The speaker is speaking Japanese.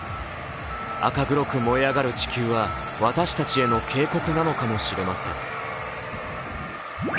赤黒く燃え上がる地球は私たちへの警告なのかもしれません。